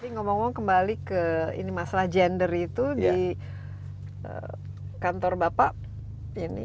ngomong ngomong kembali ke ini masalah gender itu di kantor bapak ini